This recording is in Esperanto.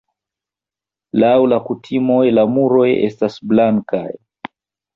Laŭ la kutimoj la muroj estas blankaj.